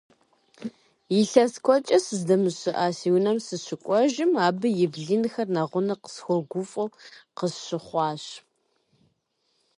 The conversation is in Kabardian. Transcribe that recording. Илъэс куэдкӏэ сыздэщымыӏа си унэм сыщыкӀуэжым, абы и блынхэр нэгъунэ къысхуэгуфӀэу къысщыхъуащ.